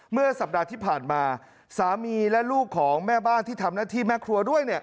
เมื่อสัปดาห์ที่ผ่านมาสามีและลูกของแม่บ้านที่ทำหน้าที่แม่ครัวด้วย